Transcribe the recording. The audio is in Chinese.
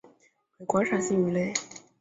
为观赏性鱼类。